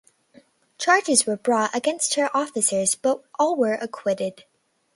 Charges were brought against her officers but all were acquitted.